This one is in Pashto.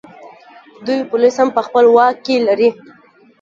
دوی پولیس هم په خپل واک کې لري